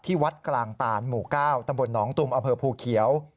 วัดกลางตานหมู่๙ตำบลหนองตุมอำเภอภูเขียว